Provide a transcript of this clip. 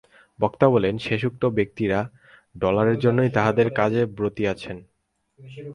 বক্তা বলেন, শেষোক্ত ব্যক্তিরা ডলারের জন্যই তাঁহাদের কাজে ব্রতী আছেন।